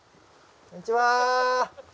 こんにちは！